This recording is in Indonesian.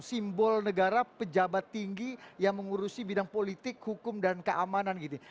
simbol negara pejabat tinggi yang mengurusi bidang politik hukum dan keamanan gitu